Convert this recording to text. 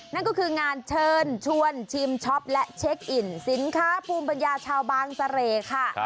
นั่นก็คืองานเชิญชวนชิมช็อปและเช็คอินสินค้าภูมิปัญญาชาวบางเสร่ค่ะ